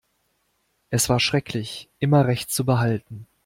Es war schrecklich, immer Recht zu behalten.